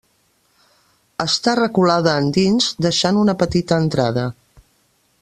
Està reculada endins, deixant una petita entrada.